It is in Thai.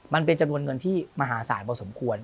มันเป็นจำนวนเงินที่มหาศาลพอสมควร